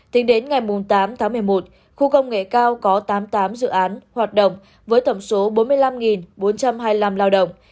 tính đến ngày tám tháng một mươi một khu công nghệ cao có tám mươi tám dự án hoạt động với tổng số bốn mươi năm bốn trăm hai mươi năm lao động